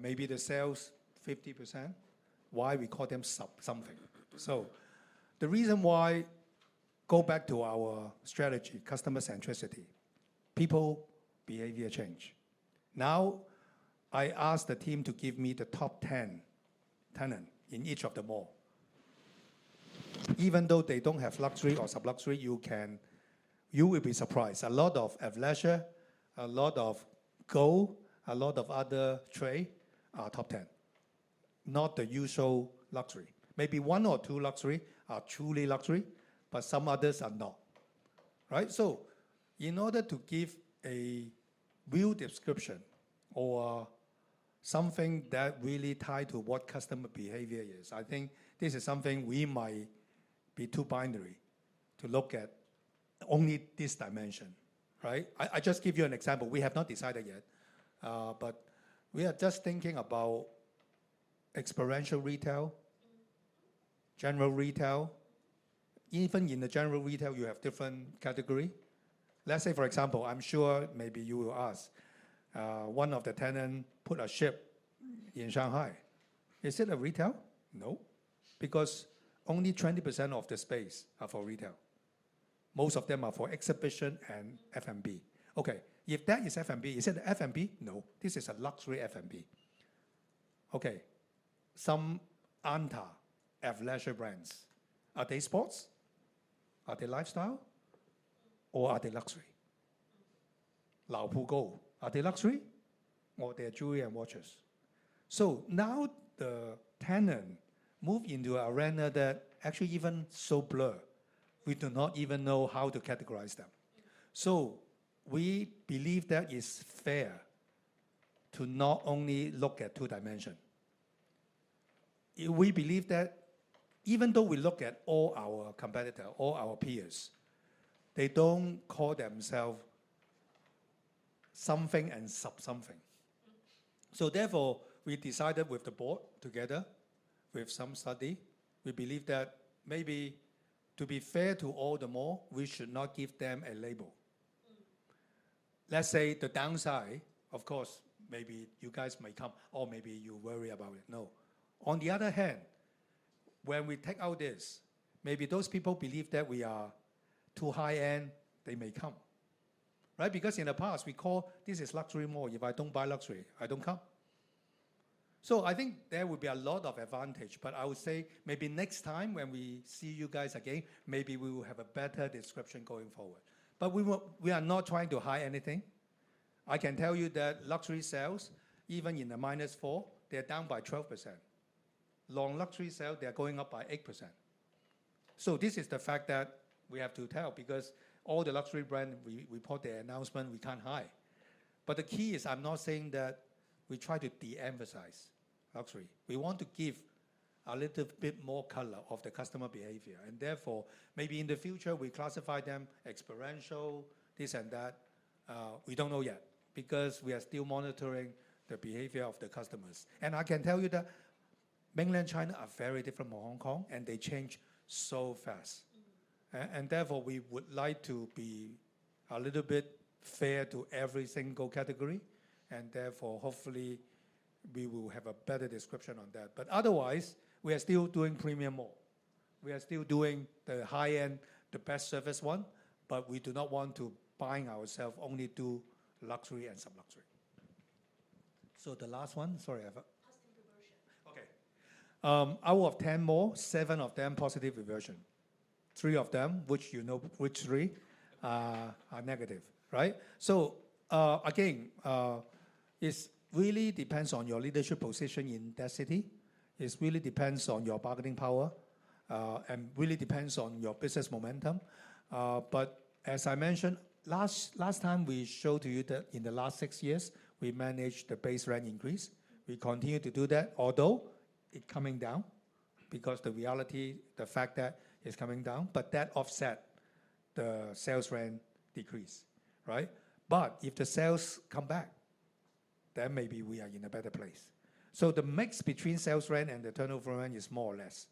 maybe the sales 50%. Why do we call them something? The reason why, go back to our strategy: customer centricity, people behavior change. I asked the team to give me the top 10 tenants in each of the malls. Even though they don't have luxury or sub-luxury, you will be surprised. A lot of athletic, a lot of gold, a lot of other trade are top 10, not the usual luxury. Maybe one or two luxury are truly luxury, but some others are not. In order to give a real description or something that really ties to what customer behavior is, I think this is something we might be too binary to look at only this dimension. I just give you an example. We have not decided yet, but we are just thinking about experiential retail, general retail. Even in the general retail, you have different categories. Let's say, for example, I'm sure maybe you will ask, one of the tenants put a ship in Shanghai, is it a retail? No, because only 20% of the space is for retail. Most of them are for exhibition and F&B. If that is F&B, is it F&B? No, this is a luxury F&B. Some ANTA Athleisure brands, are they sports, are they lifestyle, or are they luxury? Laopu Gold, are they luxury or are they jewelry and watches? Now the tenants move into an arena that actually is even so blurred, we do not even know how to categorize them. We believe that it's fair to not only look at two dimensions. We believe that even though we look at all our competitors, all our peers, they don't call themselves something and something. Therefore, we decided with the board, together with some study, we believe that maybe to be fair to all the malls, we should not give them a label. Let's say the downside. Of course, maybe you guys may come or maybe you worry about it. No, on the other hand, when we take out this, maybe those people believe that we are too high end, they may come, right? Because in the past, we call this a luxury mall. If I don't buy luxury, I don't come. I think there would be a lot of advantage. I would say maybe next time when we see you guys again, maybe we will have a better description going forward. We are not trying to hide anything. I can tell you that luxury sales, even in the -4%, they're down by 12%. Long luxury sales, they are going up by 8%. This is the fact that we have to tell because all the luxury brands we report the announcement, we can't hide. The key is, I'm not saying that we try to deemphasize luxury. We want to give a little bit more color of the customer behavior. Therefore, maybe in the future we classify them exponential. This and that we don't know yet because we are still monitoring the behavior of the customers. I can tell you that Mainland China is very different from Hong Kong and they change so fast. Therefore, we would like to be a little bit fair to every single category. Hopefully we will have a better description on that. Otherwise, we are still doing premium more. We are still doing the high end, the best service one. We do not want to bind ourselves only to luxury and sub luxury. The last one, sorry, ever positive reversion. I will have 10 more. Seven of them positive reversion. Three of them, which you know which three, are negative. It really depends on your leadership position in that city. It really depends on your bargaining power and really depends on your business momentum. As I mentioned last time, we showed to you that in the last six years we managed the base rent increase. We continue to do that although it is coming down because the reality, the fact that it's coming down, but that offsets the sales rent decrease. If the sales come back, then maybe we are in a better place. The mix between sales rent and the turnover rent is more or less,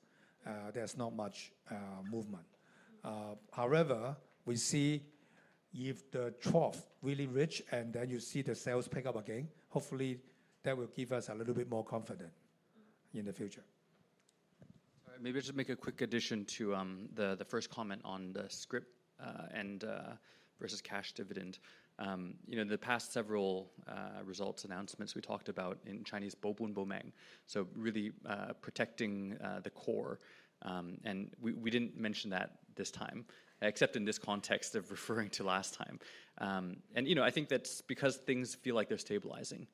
there's not much movement. However, we see if the trough really reaches and then you see the sales pick up again. Hopefully that will give us a little bit more confidence in the future. Maybe I'll just make a quick addition to the first comment on the scrip and versus cash dividend. You know, the past several results announcements we talked about in Chinese Bobon Bo Meng, so really protecting the core. We didn't mention that this time except in this context of referring to last time. I think that's because things feel like they're stabilizing,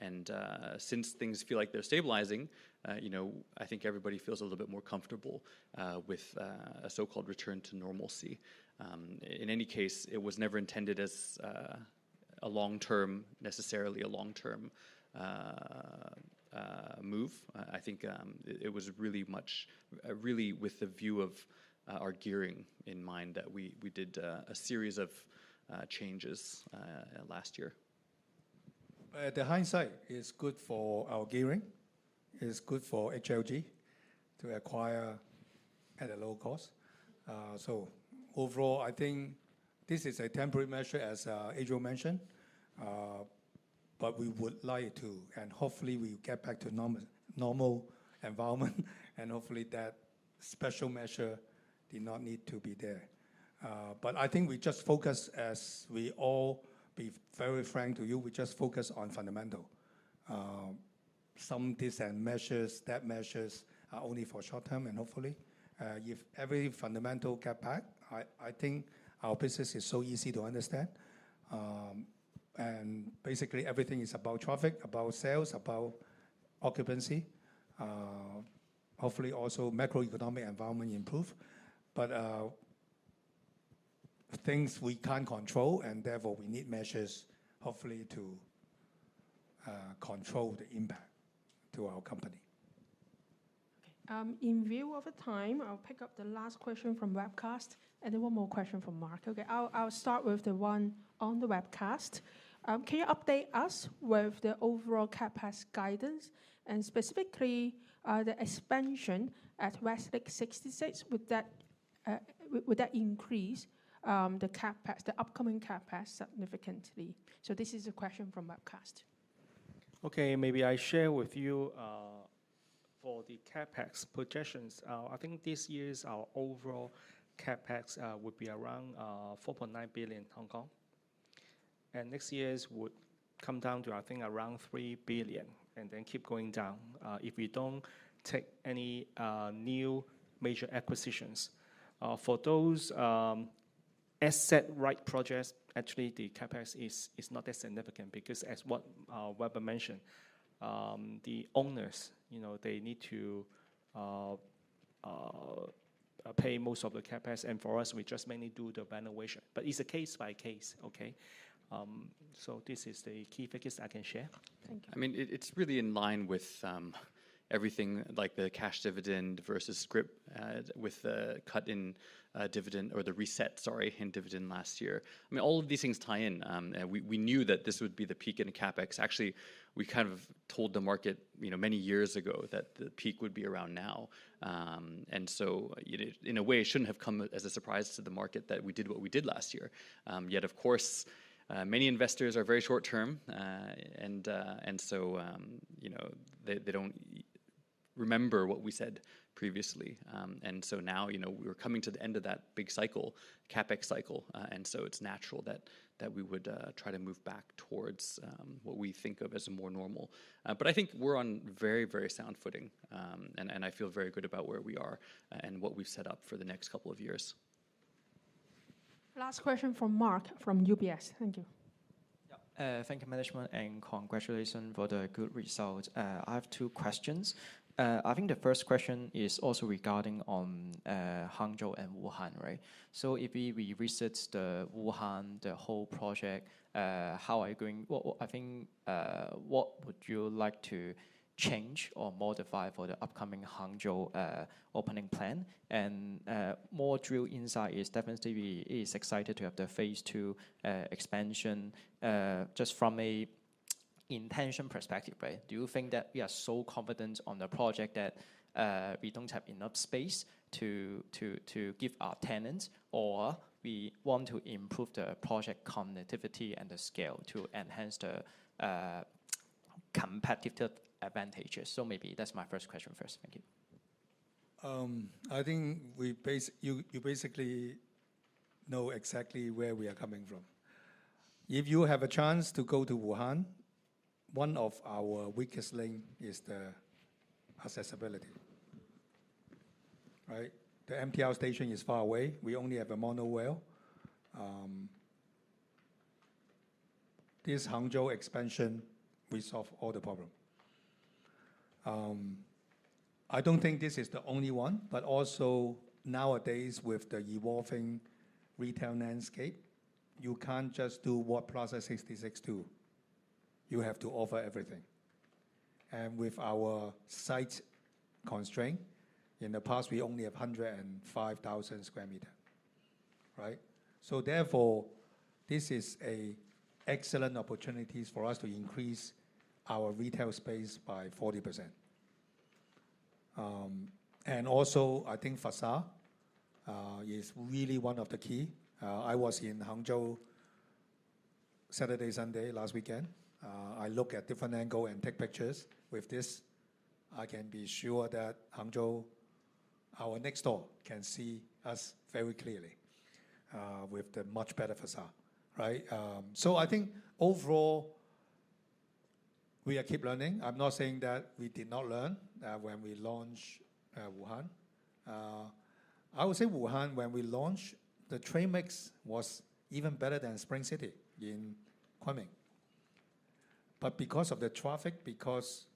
and since things feel like they're stabilizing, I think everybody feels a little bit more comfortable with a so-called return to normalcy. In any case, it was never intended as necessarily a long-term move. I think it was really with the view of our gearing in mind that we did a series of changes last year. The hindsight is good for our gearing is good for HLG to acquire at a low cost. Overall, I think this is a temporary measure as Adriel Chan mentioned, but we would like to and hopefully we get back to normal environment and hopefully that special measure did not need to be there. I think we just focus, as we all be very frank to you. We just focus on fundamental, some disadvantage measures. That measures are only for short term and hopefully if every fundamental get back. I think our business is so easy to understand and basically everything is about traffic, about sales, about occupancy. Hopefully also macroeconomic environment improve. Things we can't control and therefore we need measures hopefully to control the impact to our company. In view of time, I'll pick up the last question from webcast and then one more question from Mark. I'll start with the one on the webcast. Can you update us with the overall CapEx guidance and specifically the expansion at Westlake 66, would that increase the CapEx, the upcoming CapEx significantly? This is a question from webcast. Okay, maybe I share with you for the CapEx projections. I think this year our overall CapEx would be around 4.9 billion Hong Kong and next year's would come down to I think around 3 billion and then keep going down if we don't take any new major acquisitions for those asset-right projects. Actually, the CapEx is not that significant because as what Weber mentioned, the owners, you know, they need to pay most of the CapEx and for us we just mainly do the valuation but it's a case by case. Okay, so this is the key figures I can share. I mean it's really in line with everything like the cash dividend versus scrip with the cut in dividend or the reset, sorry, in dividend last year. I mean all of these things tie in. We knew that this would be the peak in CapEx. Actually, we kind of told the market many years ago that the peak would be around now. In a way, it shouldn't have come as a surprise to the market that we did what we did last year. Of course, many investors are very short term and they don't remember what we said previously. Now we're coming to the end of that big cycle, CapEx cycle, and it's natural that we would try to move back towards what we think of as a more normal. I think we're on very, very sound footing and I feel very good about where we are and what we've set up for the next couple of years. Last question from Mark from UBS. Thank you. Thank you, management, and congratulations for the good result. I have two questions. I think the first question is also regarding Hangzhou and Wuhan. If we research Wuhan, the whole project, how are you going? What would you like to change or modify for the upcoming Hangzhou opening plan and more? Drill Insight is definitely excited to have the phase two expansion. Just from an intention perspective, do you think that we are so confident on the project that we don't have enough space to give our tenants, or we want to improve the project connectivity and the scale to enhance the competitive advantages? Maybe that's my first question. Thank you. I think you basically know exactly where we are coming from. If you have a chance to go to Wuhan, one of our weakest links is the accessibility, right? The MTR station is far away. We only have a monorail. This Hangzhou expansion, we solve all the problem. I don't think this is the only one. Nowadays, with the evolving retail landscape, you can't just do what Plaza 66 does. You have to offer everything. With our site constraint in the past, we only have 105,000 sq m, right? Therefore, this is an excellent opportunity for us to increase our retail space by 40%. I think facade is really one of the key. I was in Hangzhou Saturday and Sunday last weekend. I looked at different angles and took pictures. With this, I can be sure that Hangzhou, our next door, can see us very clearly with the much better facade. I think overall we are keep learning. I'm not saying that we did not learn when we launched Wuhan. I would say Wuhan, when we launched, the tenant mix was even better than Spring City in Kunming, but because of the traffic, because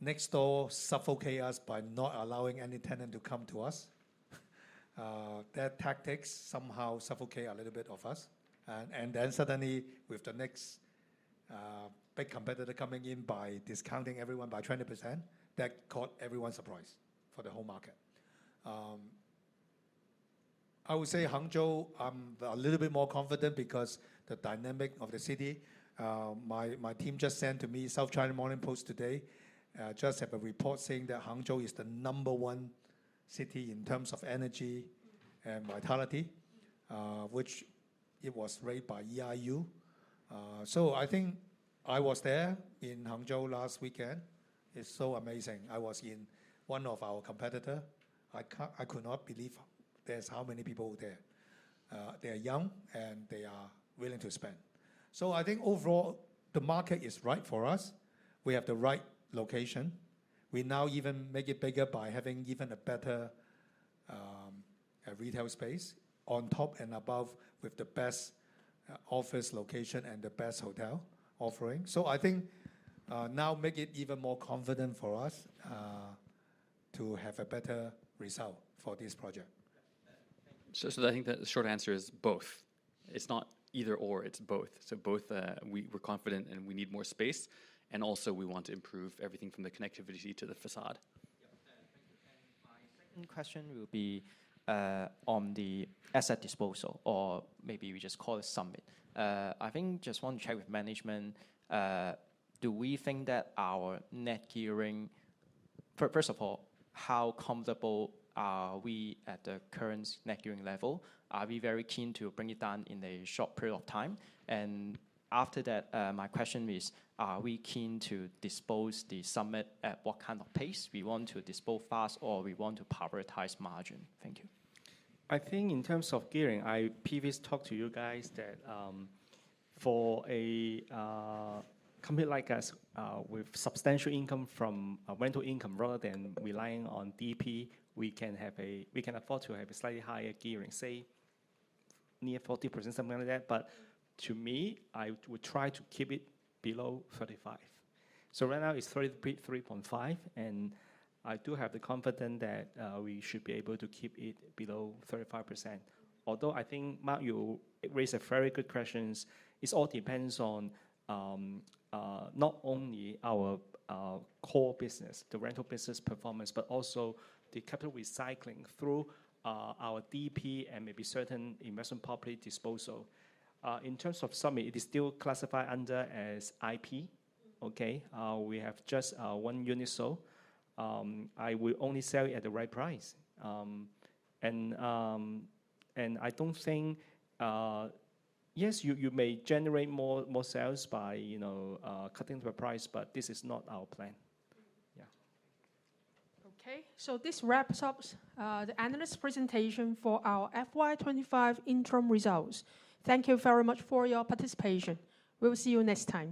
next door suffocated us by not allowing any tenant to come to us. Their tactics somehow suffocated a little bit of us, and then suddenly with the next big competitor coming in by discounting everyone by 20%, that caught everyone by surprise for the whole market. I would say Hangzhou, I'm a little bit more confident because of the dynamic of the city. My team just sent to me South China Morning Post today, just have a report saying that Hangzhou is the number one city in terms of energy and vitality, which it was rated by EIU. I think I was there in Hangzhou last weekend. It's so amazing. I was in one of our competitors. I could not believe how many people there. They are young and they are willing to spend. I think overall the market is right for us. We have the right location. We now even make it bigger by having even a better retail space on top and above with the best office location and the best hotel offering. I think now make it even more confident for us to have a better result for this project. I think that the short answer is both. It's not either or, it's both. We're confident and we need more space, and also we want to improve everything from the connectivity to the facade. My second question will be on the asset disposal or maybe we just call it Summit. I think just want to check with management, do we think that our net gearing—first of all, how comfortable are we at the current net gearing level? Are we very keen to bring it down in a short period of time? After that, my question is, are we keen to dispose the Summit at what kind of pace? Do we want to dispose fast or do we want to prioritize margin? Thank you. I think in terms of gearing, I previously talked to you guys that for a company like us with substantial income from rental income, rather than relying on DP, we can afford to have a slightly higher gearing, say near 40%, something like that. To me, I would try to keep it below 35%. Right now it's 33.5%, and I do have the confidence that we should be able to keep it below 35%. I think, Mark, you raise a very good question. It all depends on not only our core business, the rental business performance, but also the capital recycling through our DP and maybe certain investment property disposal. In terms of Summit, it is still classified under as IP. We have just one unison. I will only sell it at the right price, and I don't think, yes, you may generate more sales by cutting the price, but this is not our plan. Okay, so this wraps up the analyst presentation for our FY 2025 interim results. Thank you very much for your participation. We will see you next time.